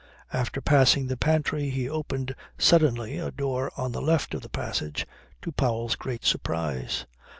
After passing the pantry he opened suddenly a door on the left of the passage, to Powell's great surprise.